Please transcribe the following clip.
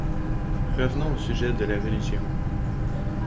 Revenons au sujet de la religion.